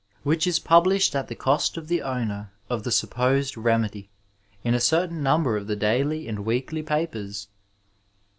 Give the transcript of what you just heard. which is published at the cost of the owner of the supposed remedy in a certain number of the daily and weekly papers.